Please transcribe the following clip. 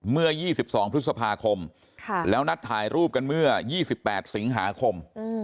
เมื่อ๒๒พฤษภาคมแล้วนัดถ่ายรูปกันเมื่อ๒๘สิงหาคม